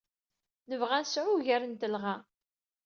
Nebɣa ad nesɛu ugar n telɣa.